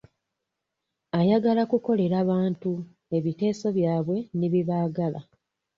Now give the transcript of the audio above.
Ayagala kukolera bantu, ebiteeso byabwe ne bye baagala.